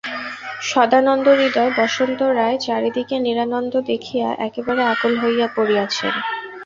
সদানন্দহৃদয় বসন্ত রায় চারিদিকে নিরানন্দ দেখিয়া একেবারে আকুল হইয়া পড়িয়াছেন।